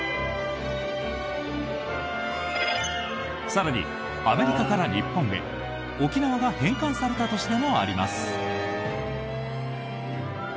更にアメリカから日本へ、沖縄が返還された年でもあります。